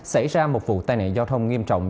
xảy ra một vụ tai nạn giao thông nghiêm trọng